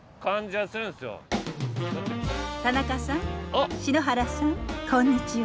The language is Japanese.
田中さん篠原さんこんにちは。